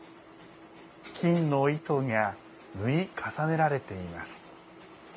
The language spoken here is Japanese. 金の糸が縫い重ねられています。